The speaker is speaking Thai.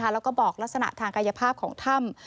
แล้วก็บอกลักษณะทางกายภาพของถ้ำ